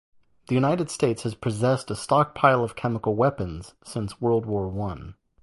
The United States has possessed a stockpile of chemical weapons since World War One.